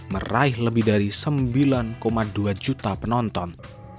meraih lebih dari sembilan dua juta penonton